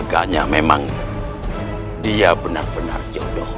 makanya memang dia benar benar jodoh